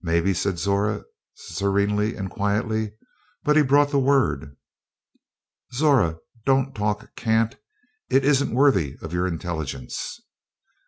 "Maybe," said Zora serenely and quietly; "but he brought the Word." "Zora, don't talk cant; it isn't worthy of your intelligence."